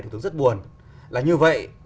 thủ tướng rất buồn là như vậy